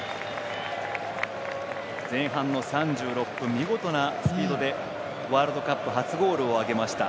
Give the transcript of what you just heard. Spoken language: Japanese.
前半の３６分、見事なスピードでワールドカップ初ゴールを挙げました。